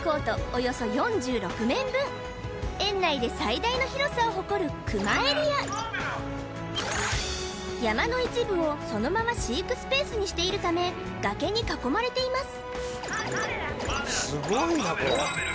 およそ４６面分園内で最大の広さを誇るクマエリア山の一部をそのまま飼育スペースにしているため崖に囲まれています